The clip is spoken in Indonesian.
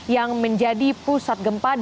yang menjadi pusat gempat